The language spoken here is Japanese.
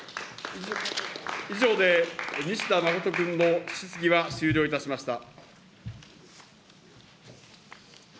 以上で西田実仁君の質疑は終了いたしました。